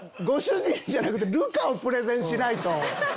ご主人じゃなくて流風をプレゼンしないと！